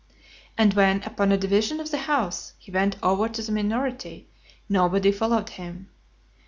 And when, upon a division of the house, he went over to the minority, nobody followed him.